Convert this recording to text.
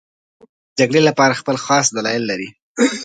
ټول لوري د جګړې لپاره خپل خاص دلایل لري